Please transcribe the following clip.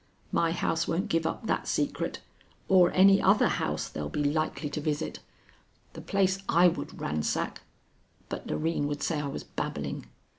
My house won't give up that secret, or any other house they'll be likely to visit. The place I would ransack But Loreen would say I was babbling.